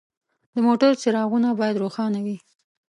د موټر څراغونه باید روښانه وي.